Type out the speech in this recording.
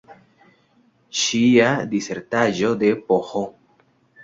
Ŝia disertaĵo de Ph.